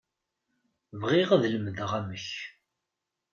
Bɣiɣ ad lemdeɣ amek.